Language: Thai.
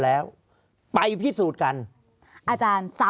ภารกิจสรรค์ภารกิจสรรค์